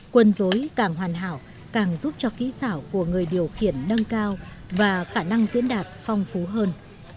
quân dối càng hoàn hảo càng giúp cho kỹ xảo của người điều khiển nâng cao và khả năng diễn đạt phong phú hơn